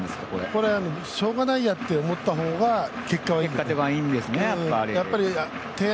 これはしょうがないやって思った方が、結果はいいんです。